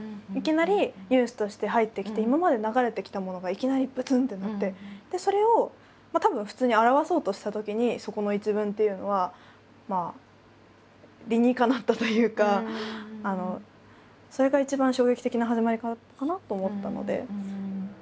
いきなりニュースとして入ってきて今まで流れてきたものがいきなりぶつん！ってなってでそれをたぶん普通に表そうとしたときにそこの１文っていうのは理にかなったというかそれが一番衝撃的な始まりかなと思ったので。